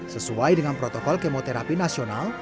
sesuai dengan protokol kemoterapi nasional